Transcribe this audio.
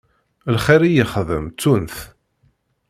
Lxir i yexdem ttun-t.